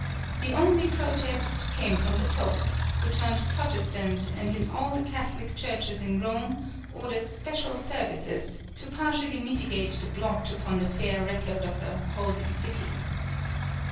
The only protest came from the Pope, who turned Protestant and in all the Catholic churches in Rome ordered special services, to partially mitigate the blot upon the fair record of the "Holy City."